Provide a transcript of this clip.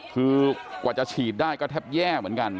คือกว่าจะฉีดได้ก็แทบแย่เหมือนกัน